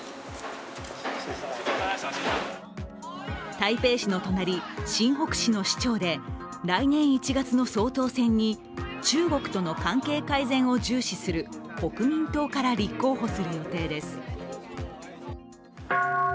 台北市の隣、新北市の市長で来年１月の総統選に中国との関係改善を重視する国民党から立候補する予定です。